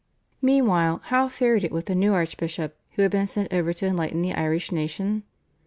Meanwhile how fared it with the new archbishop who had been sent over to enlighten the Irish nation?